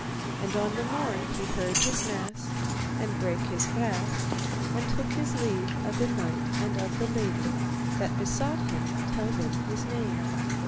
And on the morn he heard his mass, and brake his fast, and took his leave of the knight and of the lady, that besought him to tell them his name.